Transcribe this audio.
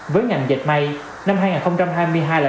với ngành dịch may năm hai nghìn hai mươi hai là năm thấp thước